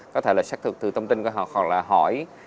có thể là xác thực từ thông tin của họ hoặc là hỏi